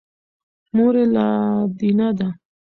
مور یې لادینه ده.